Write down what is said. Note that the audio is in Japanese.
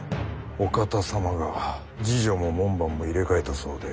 お方様が侍女も門番も入れ替えたそうで。